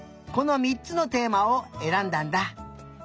この３つのテーマをえらんだんだ。